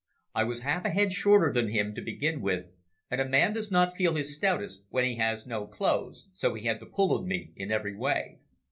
I was half a head shorter than him to begin with, and a man does not feel his stoutest when he has no clothes, so he had the pull on me every way.